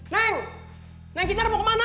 neng neng kinar mau kemana